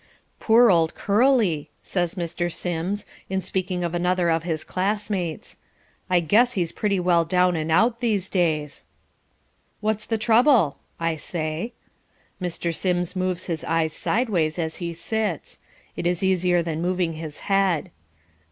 "Poor old Curly!" says Mr. Sims, in speaking of another of his classmates. "I guess he's pretty well down and out these days." "What's the trouble?" I say. Mr. Sims moves his eyes sideways as he sits. It is easier than moving his head.